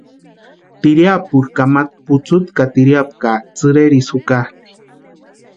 Tiriapu kamatarhu putsuti ka tiriapu ka tsïrerisï jukatʼi.